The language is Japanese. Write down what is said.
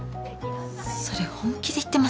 それ本気で言ってます？